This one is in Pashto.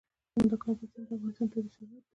د کابل سیند د افغانستان طبعي ثروت دی.